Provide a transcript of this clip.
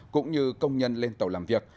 cũng như công nhân lên tàu làm việc